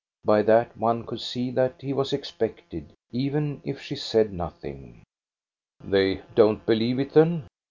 By that one could see that he was expected, even if she said nothing. "They don't believe it, then?"